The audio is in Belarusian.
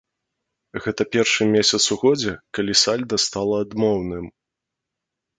Гэта першы месяц у годзе, калі сальда стала адмоўным.